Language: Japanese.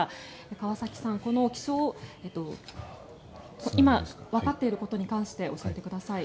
川崎さん今わかっていることに関して教えてください。